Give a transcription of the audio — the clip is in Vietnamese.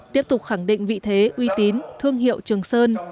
tiếp tục khẳng định vị thế uy tín thương hiệu trường sơn